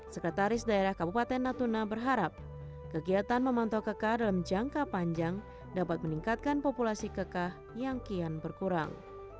sekretaris daerah kabupaten natuna berharap kegiatan memantau keka dalam jangka panjang dapat meningkatkan populasi keka yang kian berkurang